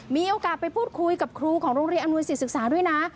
มีโอกาสไปพูดคุยกับครูของโรงเรียนอำนวยศิษย์ศึกษาด้วยนะ